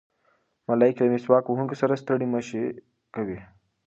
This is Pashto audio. ملایکې له مسواک وهونکي سره ستړې مه شي کوي.